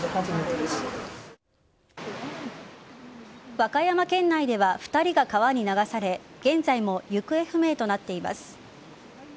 和歌山県内では２人が川に流され現在も行方不明となっています。